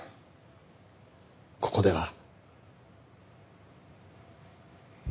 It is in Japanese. ここでは。